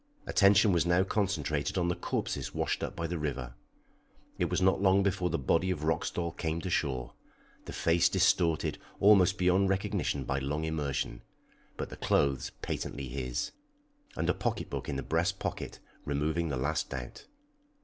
Attention was now concentrated on the corpses washed up by the river. It was not long before the body of Roxdal came to shore, the face distorted almost beyond recognition by long immersion, but the clothes patently his, and a pocket book in the breast pocket removing the last doubt.